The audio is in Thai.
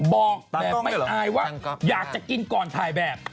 บอกแบบไม่อายว่าอยากจะกินก่อนถ่ายแบบ